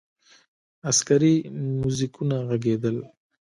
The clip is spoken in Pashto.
عسکري موزیکونه ږغېدل.